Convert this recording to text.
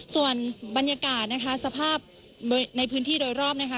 ส่วนบรรยากาศนะคะสภาพในพื้นที่โดยรอบนะคะ